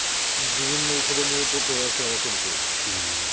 自分の子供と照らし合わせる。